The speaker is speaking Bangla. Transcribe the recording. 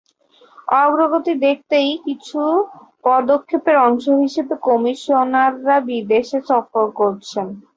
অগ্রগতি দেখাতেই নতুন কিছু পদক্ষেপের অংশ হিসেবে কমিশনাররা বিদেশ সফর করছেন।